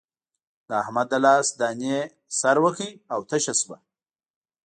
د احمد د لاس دانې سر وکړ او تشه شوه.